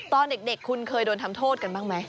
ตอนเด็กคุณเคยโดนทำโทษกันบ้างไหม